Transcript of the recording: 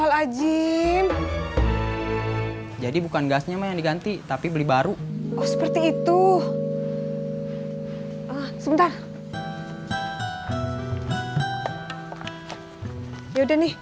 al hajjim jadi bukan gasnya yang diganti tapi beli baru oh seperti itu sebentar ya udah nih